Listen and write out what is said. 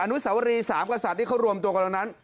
นุสวรีสามกษัตริย์ที่เขารวมตัวกันตรงนั้น